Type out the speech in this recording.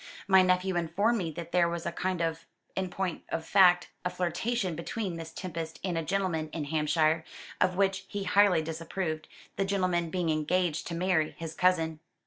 My nephew informed me that there was a kind of in point of fact a flirtation between Miss Tempest and a gentleman in Hampshire, of which he highly disapproved, the gentleman being engaged to marry his cousin."